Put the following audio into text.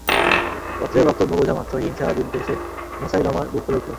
পত্রের বক্তব্য বুঝা মাত্রই হিংসা আর বিদ্বেষে মুসায়লামার বুক ফুলে উঠল।